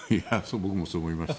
僕もそう思いました。